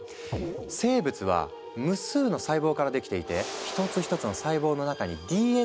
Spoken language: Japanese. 生物は無数の細胞からできていて１つ１つの細胞の中にＤＮＡが入っているの。